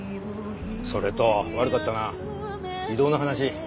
それと悪かったな異動の話。